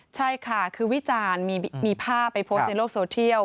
ใช่ค่ะคือวิจารณ์มีภาพไปโพสต์ในโลกโซเทียล